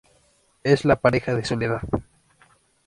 Es la pareja de Soledad.